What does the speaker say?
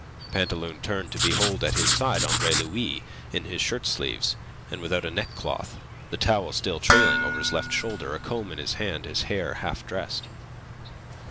Pantaloon turned to behold at his side Andre Louis in his shirt sleeves, and without a neckcloth, the towel still trailing over his left shoulder, a comb in his hand, his hair half dressed.